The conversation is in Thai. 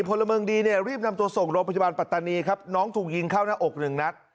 พลเมืองดีเนี่ยรีบนำตัวส่งโรงพยาบาลปัตตานีครับน้องถูกยิงเข้าหน้าอกหนึ่งนัด